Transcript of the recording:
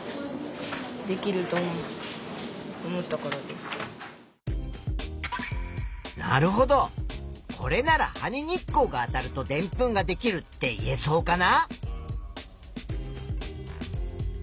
理由はなるほどこれなら「葉に日光があたるとでんぷんができる」って言えそうかな？